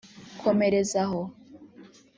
Komereza aho